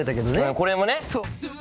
これもね。